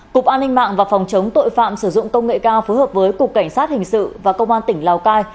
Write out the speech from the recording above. cục an ninh mạng và phòng chống tội phạm sử dụng công nghệ cao phối hợp với cục cảnh sát hình sự và công an tỉnh lào cai